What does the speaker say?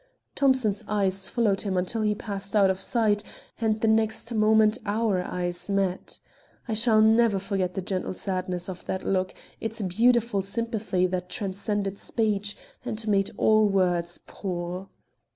Thomson's eyes followed him until he passed out of sight, and the next moment our eyes met. I shall never forget the gentle sadness of that look, its beautiful sympathy that transcended speech, and made all words poor.